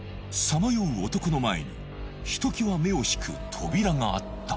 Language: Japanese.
さまよう男の前にひときわ目を引く扉があった